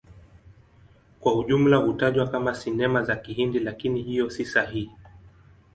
Kwa ujumla hutajwa kama Sinema za Kihindi, lakini hiyo si sahihi.